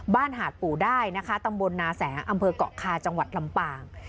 หาดปู่ได้นะคะตำบลนาแสอำเภอกเกาะคาจังหวัดลำปาง